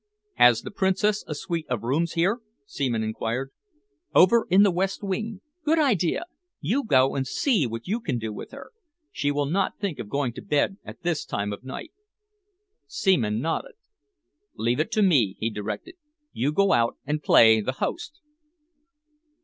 "Has the Princess a suite of rooms here?" Seaman enquired. "Over in the west wing. Good idea! You go and see what you can do with her. She will not think of going to bed at this time of night." Seaman nodded. "Leave it to me," he directed. "You go out and play the host."